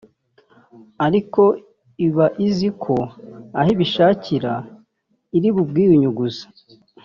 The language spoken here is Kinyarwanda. ariko iba izi ko aho ibishakira iri bubwiyunyuguze